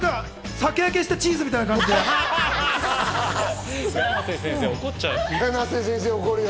酒焼けしたチーズみたいでいいですよ。